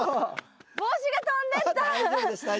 帽子が飛んでった！